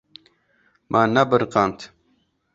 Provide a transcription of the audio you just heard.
Me nebiriqand.